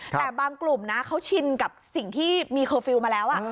แต่บางกลุ่มนะเขาชินกับสิ่งที่มีเคอร์ฟิลล์มาแล้ว